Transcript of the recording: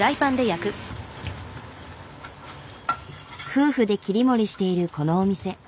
夫婦で切り盛りしているこのお店。